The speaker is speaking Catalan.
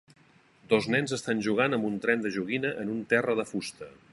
Dos nens estan jugant amb un tren de joguina en un terra de fusta.